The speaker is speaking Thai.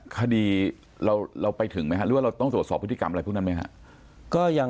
คดีเราไปถึงไหมฮะหรือว่าเราต้องตรวจสอบพฤติกรรมอะไรพวกนั้นไหมครับ